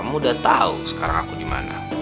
mundur tahu bunu